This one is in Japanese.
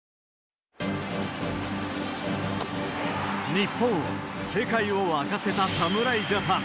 日本を、世界を沸かせた侍ジャパン。